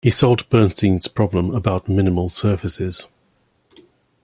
He solved Bernstein's problem about minimal surfaces.